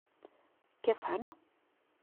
Què fan?